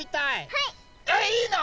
はい！えいいの？